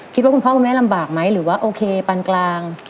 คุณพ่อคุณแม่ลำบากไหมหรือว่าโอเคปานกลาง